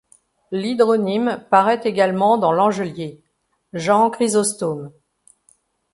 L'hydronyme paraît également dans Langelier, Jean-Chrysostome.